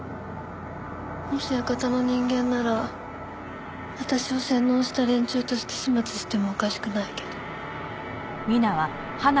もし館の人間なら私を洗脳した連中として始末してもおかしくないけど。